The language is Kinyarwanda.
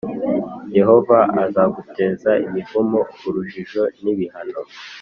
Yehova azaguteza imivumo, urujijo n’ibihano